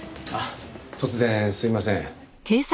突然すいません。